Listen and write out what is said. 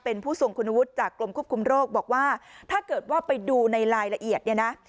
เป็นผู้ทรงคุณวุฒิจากกรมควบคุมโรคบอกว่าถ้าเกิดว่าไปดูในรายละเอียดเนี่ยนะ